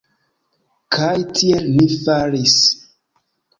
Kaj tiel ni faris.